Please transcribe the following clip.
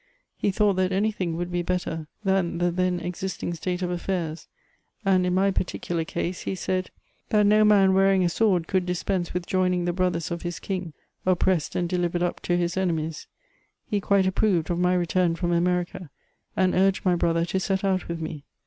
He thought that any thing would be better tiian the then existing state of affairs ; and in my par ticular case, he said that no man wearing a sword could dispense with joining the brothers of his king, oppressed and delivered Tip to his enemies. He quite approved of my return from Ame rica, and urged my brother to set out with me.